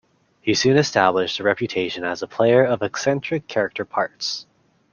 He soon established a reputation as a player of eccentric character parts.